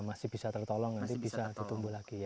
masih bisa tertolong nanti bisa ditumbuh lagi ya